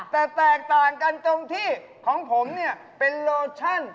แต่แตกต่างกันตรงที่ของผมเนี่ยเป็นโลชั่น